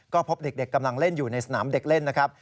ก็พบเด็กกำลังเล่นอยู่ในสนามเด็กเล่นนะครับ